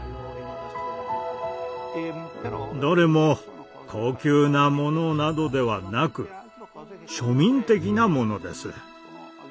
どれも高級なものなどではなく庶民的なものです。